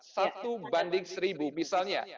satu banding seribu misalnya